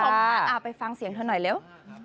ไปฟังเสียงเธอหน่อยเร็ว